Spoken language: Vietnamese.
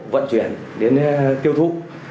vận chuyển đến tiêu thụ